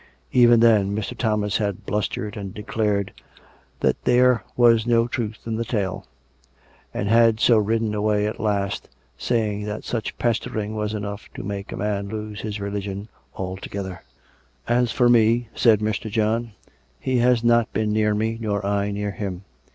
Even then Mr. Thomas had blustered and declared that there was no truth in the tale; and had so ridden away at last, saying that such pestering was enough to make a man lose his religion altogether. " As for me," said Mr. John, " he has not been near me, nor I near him.